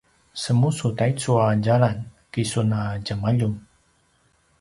semusu taicu a djalan kisun a djemaljun